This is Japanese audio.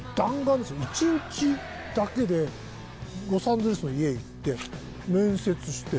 １日だけでロサンゼルスの家行って面接して。